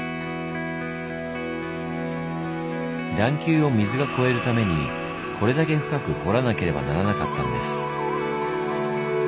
段丘を水が越えるためにこれだけ深く掘らなければならなかったんです。